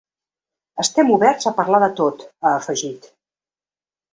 Estem oberts a parlar de tot, ha afegit.